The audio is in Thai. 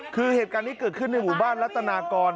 คือเหตุการณ์นี้เกิดขึ้นในหมู่บ้านรัฐนากร